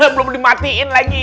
belum dimatiin lagi